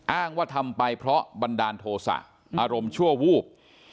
อ้างว่าทำไปเพราะบันดาลโทษะอารมณ์ชั่ววูบ